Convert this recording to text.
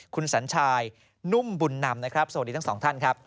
คุณสัญชายนุ่มบุญนำนะครับสวัสดีทั้งสองท่านครับ